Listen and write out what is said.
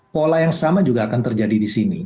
pola yang sama juga akan terjadi di sini